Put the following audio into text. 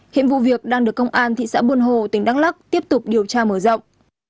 hiện vụ việc đang được công an thị xã buôn hồ tỉnh đắk lắc tiếp tục điều tra mở rộng